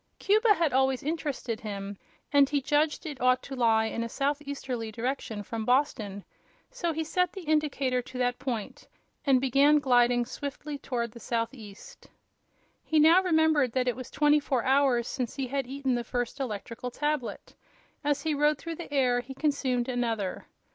Cuba had always interested him, and he judged it ought to lie in a southeasterly direction from Boston. So he set the indicator to that point and began gliding swiftly toward the southeast. He now remembered that it was twenty four hours since he had eaten the first electrical tablet. As he rode through the air he consumed another.